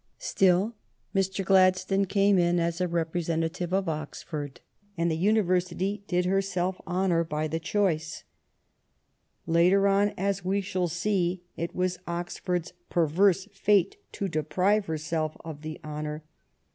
Still, Mr. Gladstone THE FREE TRADE STRUGGLE III came in as a representative of Oxford, and the University did herself honor by the choice. Later on, as we shall see, it was Oxford s perverse fate to deprive herself of the honor.